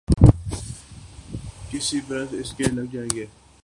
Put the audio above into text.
کئی برس اس میں لگ جائیں گے۔